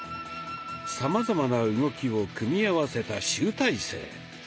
さまざまな動きを組み合わせた集大成。